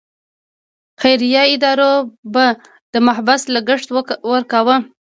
خیریه ادارو به د محبس لګښت ورکاوه.